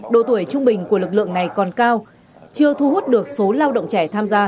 độ tuổi trung bình của lực lượng này còn cao chưa thu hút được số lao động trẻ tham gia